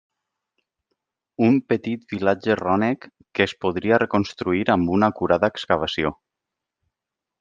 Un petit vilatge rònec que es podria reconstruir amb una acurada excavació.